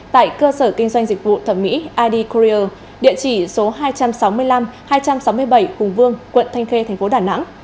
tại cơ sở kinh doanh dịch vụ thẩm mỹ id courier địa chỉ số hai trăm sáu mươi năm hai trăm sáu mươi bảy hùng vương quận thanh khê tp đà nẵng